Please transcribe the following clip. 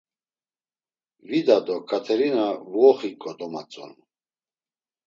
Vida do Katerina vuoxiǩo domatzonu.